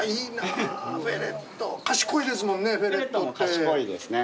賢いですね。